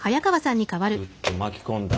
グッと巻き込んだ。